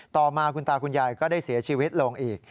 ต่อมาคุณตาคุณยายก็ได้เสียชีวิตลงอีก